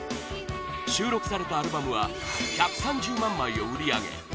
収録されたアルバムは１３０万枚を売り上げ